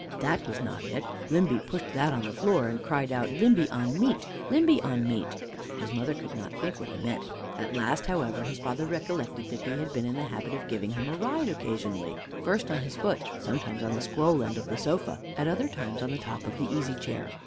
That was not it. Limby pushed that on the floor, and cried out: "Limby on meat! Limby on meat!" His mother could not think what he meant. At last, however, his father recollected that he had been in the habit of giving him a ride occasionally, first on his foot, sometimes on the scroll end of the sofa, at other times on the top of the easy chair.